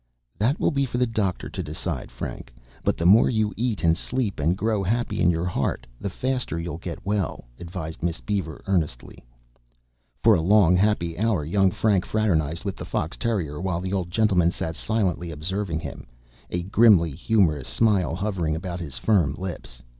"That will be for the doctor to decide, Frank. But the more you eat and sleep and grow happy in your heart, the faster you'll get well," advised Miss Beaver earnestly. For a long happy hour young Frank fraternized with the fox terrier while the old gentleman sat silently observing him, a grimly humorous smile hovering about his firm lips.